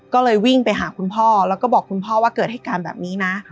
ก็เลยวิ่งไปหาคุณพ่อแล้วก็บอกคุณพ่อว่าเกิดเหตุการณ์แบบนี้นะ